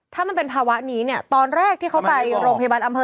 ถ้ามันเป็นภาวะนี้เนี่ยตอนแรกที่เขาไปโรงพยาบาลอำเภอ